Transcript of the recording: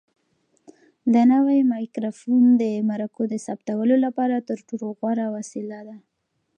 دا نوی مایکروفون د مرکو د ثبتولو لپاره تر ټولو غوره وسیله ده.